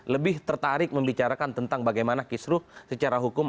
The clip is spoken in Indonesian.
lebih tertarik membicarakan tentang bagaimana kisruh secara hukum